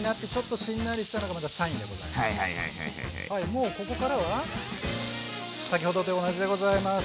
もうここからは先ほどと同じでございます。